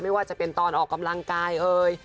ไม่ว่าจะเป็นตอนออกกำลังกายเอ่ย